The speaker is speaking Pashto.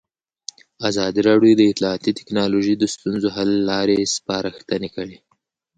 ازادي راډیو د اطلاعاتی تکنالوژي د ستونزو حل لارې سپارښتنې کړي.